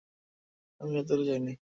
আমি ভেতরে যাইনি।